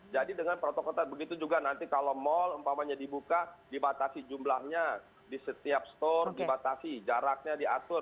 jadi dengan protokol ketat begitu juga nanti kalau mall di buka dibatasi jumlahnya di setiap store dibatasi jaraknya diatur